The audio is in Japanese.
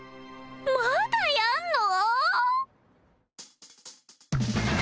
まだやんの！？